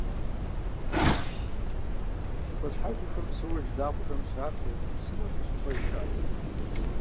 ЩӀыпӀэ щхьэхуэхэм псыуэ жылагъуэхэм щрафыр псынэу къыщьӀщӀэж щыӀэщ.